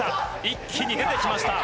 一気に出てきました。